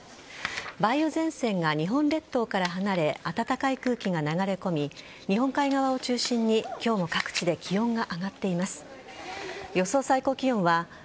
梅雨前線が日本列島から離れ暖かい空気が流れ込み日本海側を中心に今日も各地で気温が上がっています。